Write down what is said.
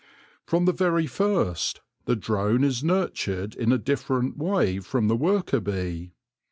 From the very first the drone is nurtured in a different way from the worker bee.